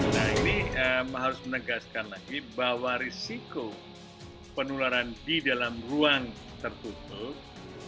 nah ini harus menegaskan lagi bahwa risiko penularan di dalam ruang tertutup